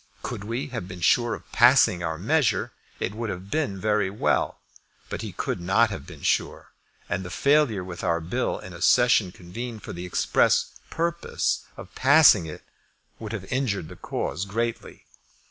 Could we have been sure of passing our measure, it would have been very well; but we could not have been sure, and failure with our bill in a session convened for the express purpose of passing it would have injured the cause greatly.